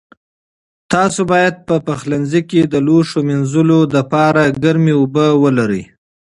تاسو باید تل په پخلنځي کې د لوښو مینځلو لپاره ګرمې اوبه ولرئ.